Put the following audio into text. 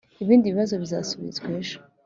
ibindi bibazo bizasubizwa ejo